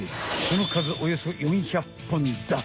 その数およそ４００本だ。